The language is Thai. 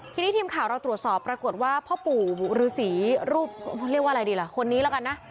ทีนี้ทีมข่าวเราตรวจสอบปรากฏว่าพ่อปู่ฤษีรูปเรียกว่าอะไรดีล่ะคนนี้แล้วกันนะ